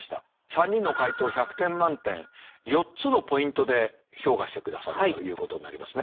３人の解答１００点満点４つのポイントで評価してくださるということになりますね。